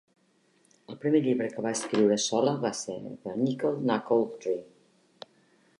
El primer llibre que va escriure sola va ser "The Nickle Nackle Tree".